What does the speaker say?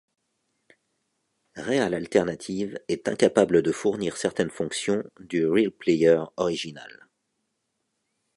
Real Alternative est incapable de fournir certaines fonctions du RealPlayer original.